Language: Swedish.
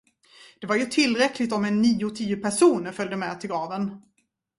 Det var ju tillräckligt om en nio, tio personer följde med till graven.